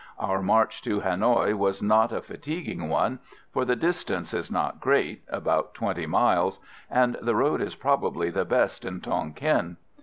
Our march to Hanoï was not a fatiguing one, for the distance is not great about 20 miles and the road is probably the best in Tonquin.